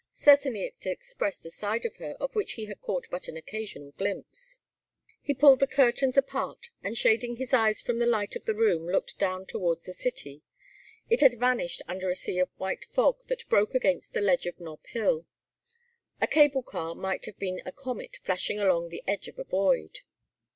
Certainly it expressed a side of her of which he had caught but an occasional glimpse. He pulled the curtains apart and shading his eyes from the light of the room looked down towards the city. It had vanished under a sea of white fog that broke against the ledge of Nob Hill. A cable car might have been a comet flashing along the edge of a void.